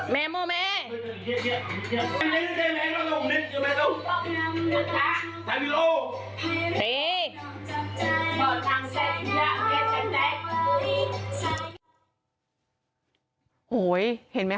กังฟูเปล่าใหญ่มา